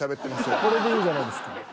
これでいいんじゃないですか？